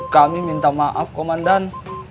kami minta maaf komandan